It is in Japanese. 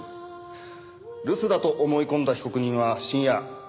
留守だと思い込んだ被告人は深夜現場へ侵入。